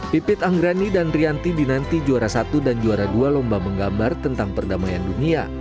pipit anggrani dan rianti dinanti juara satu dan juara dua lomba menggambar tentang perdamaian dunia